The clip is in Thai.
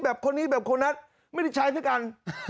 แบบคนนั้นไม่ได้ใช้สักอัน